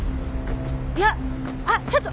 いやあっちょっと！